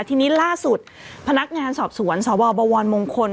ทีนี้ล่าสุดพนักงานสอบสวนสวบวรมงคล